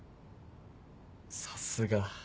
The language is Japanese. さすが。